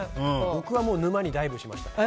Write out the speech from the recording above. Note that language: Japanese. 僕はもう沼にダイブしました。